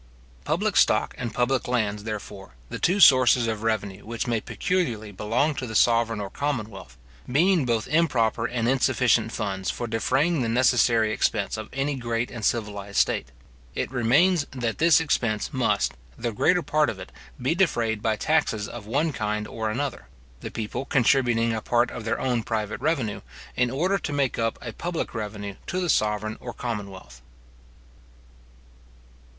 Public stock and public lands, therefore, the two sources of revenue which may peculiarly belong to the sovereign or commonwealth, being both improper and insufficient funds for defraying the necessary expense of any great and civilized state; it remains that this expense must, the greater part of it, be defrayed by taxes of one kind or another; the people contributing a part of their own private revenue, in order to make up a public revenue to the sovereign or commonwealth.